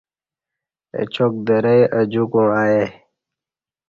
اچاک درئ اہ جُوکوع ائے